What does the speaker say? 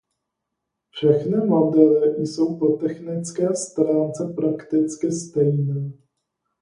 Všechny modely jsou po technické stránce prakticky stejné.